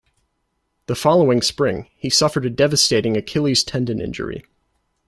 The following spring, he suffered a devastating Achilles' tendon injury.